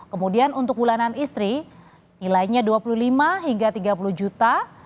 kemudian untuk bulanan istri nilainya dua puluh lima hingga tiga puluh juta